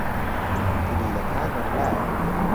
کلیلەکانمم لایە.